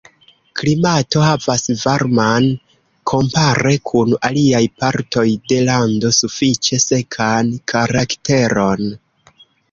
Klimato havas varman, kompare kun aliaj partoj de lando sufiĉe sekan karakteron.